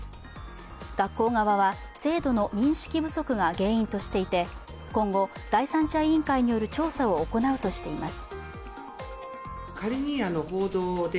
学校側は、制度の認識不足が原因としていて今後、第三者委員会による調査を行うとしています。